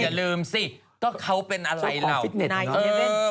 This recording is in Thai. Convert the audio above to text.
อย่าลืมสิก็เขาเป็นอะไรฟิตเน็ต